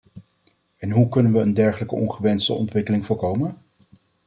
En hoe kunnen we een dergelijke ongewenste ontwikkeling voorkomen?